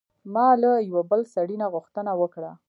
ما له یوه بل سړي نه غوښتنه وکړه.